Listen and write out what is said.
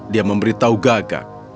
dia memberitahu gagak